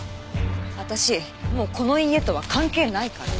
私もうこの家とは関係ないから。